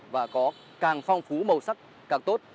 và có càng phong phú màu sắc càng tốt